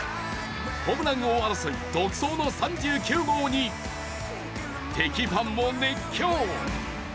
ホームラン王争い独走の３９号に敵ファンも熱狂。